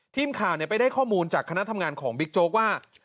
ทีมข่าวไปได้ข้อมูลจากคณะทำงานของบิ๊กโจ๊กว่า